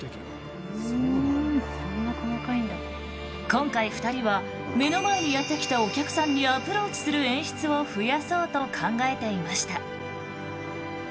今回２人は目の前にやって来たお客さんにアプローチする演出を増やそうと考えていました。